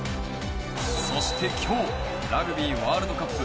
そして今日ラグビーワールドカップ